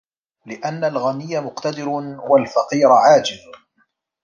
لِأَنَّ الْغَنِيَّ مُقْتَدِرٌ وَالْفَقِيرَ عَاجِزٌ